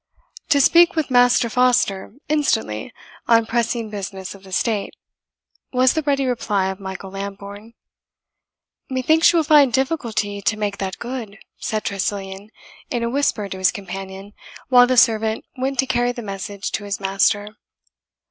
"To speak with Master Foster instantly, on pressing business of the state," was the ready reply of Michael Lambourne. "Methinks you will find difficulty to make that good," said Tressilian in a whisper to his companion, while the servant went to carry the message to his master.